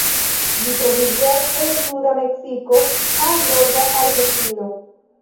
Ĝi troviĝas el suda Meksiko al norda Argentino.